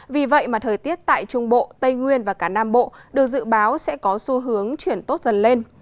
vì vậy mà thời tiết tại trung bộ tây nguyên và cả nam bộ được dự báo sẽ có xu hướng chuyển tốt dần lên